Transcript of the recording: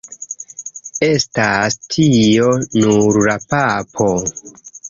Estas tio nur la papo!